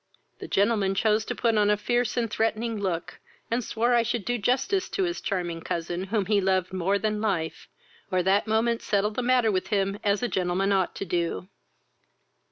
The gentleman chose to put on a fierce and threatening look, and swore I should do justice to his charming cousin, whom he loved more than life, or that moment settle the matter with him as a gentleman ought to do.